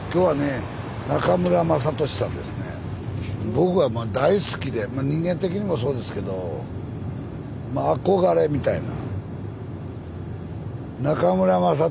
僕は大好きでまあ人間的にもそうですけどまあ憧れみたいな。